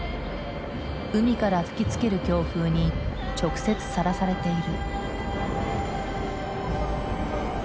海から吹きつける強風に直接さらされている。